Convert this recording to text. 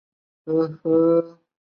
由当时的暹罗君主拉玛四世命名。